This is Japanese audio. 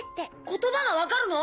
言葉が分かるの⁉